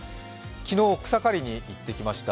昨日、草刈りに行ってきました。